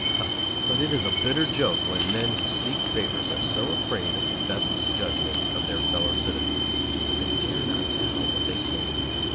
Ah! but it is a bitter joke when men who seek favors are so afraid of the best judgment of their fellow citizens that they dare not avow what they take.